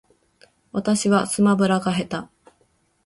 私はスマブラが下手